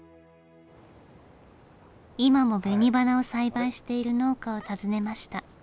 今も紅花を栽培している農家を訪ねました。